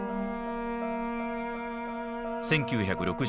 １９６３年。